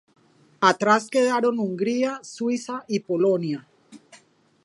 Atrás quedaron Hungría, Suiza y Polonia.